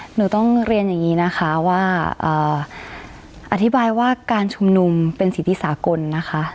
หนูต้องเรียนอย่างนี้นะคะว่าอธิบายว่าการชุมนุมเป็นสิทธิสากลนะคะ